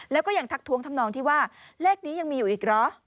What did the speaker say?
แล้วก็ยังทักท้วงทำนองที่ว่าเลขนี้ยังมีอยู่อีกเหรอ